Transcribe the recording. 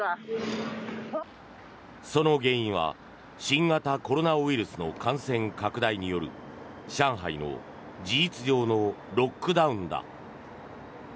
その原因は新型コロナウイルスの感染拡大による上海の事実上のロックダウンだ。